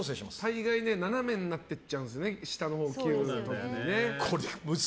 大概斜めになっていっちゃうんですよね、下のほう。